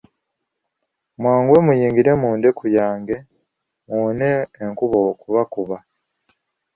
Mwanguwe muyingire mu ndeku yange muwone enkuba okubakuba.